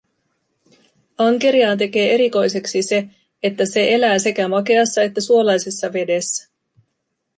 Ankeriaan tekee erikoiseksi se, että se elää sekä makeassa että suolaisessa vedessä.